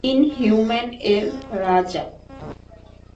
Inhuman এর রাজা।